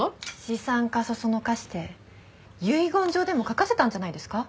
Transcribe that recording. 資産家そそのかして遺言状でも書かせたんじゃないですか？